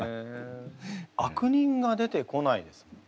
悪人が出てこないですもんね。